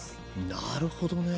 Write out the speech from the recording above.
なるほどね。